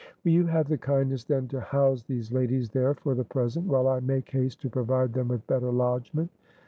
"Will you have the kindness then to house these ladies there for the present, while I make haste to provide them with better lodgment?